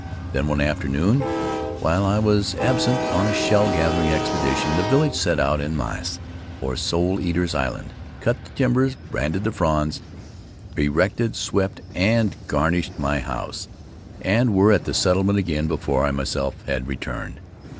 Then one afternoon, while I was absent on a shell gathering expedition, the village set out en masse for Soul Eaters' Island, cut the timbers, branded the fronds, erected, swept, and garnished my house, and were at the settlement again before I myself had returned.